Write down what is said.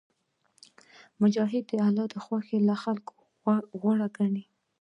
مجاهد د الله خوښه له خلکو غوره ګڼي.